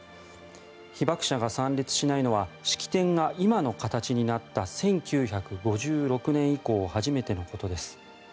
被爆者が参列しないのは式典が今の形になった１９５６年以降初めてのことです。